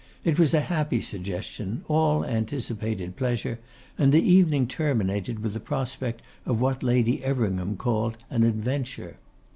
It was a happy suggestion, all anticipated pleasure; and the evening terminated with the prospect of what Lady Everingham called an adventure.